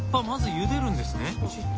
まずゆでるんですね。